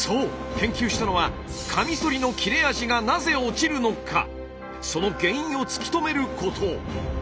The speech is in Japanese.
研究したのはカミソリの切れ味がなぜ落ちるのかその原因を突き止めること。